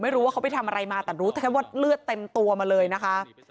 ไม่รู้ว่าเขาไปทำอะไรมาแต่รู้แค่ว่าเลือดเต็มตัวมาเลยนะคะ